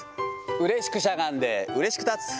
うれしくしゃがんで、うれしく立つ。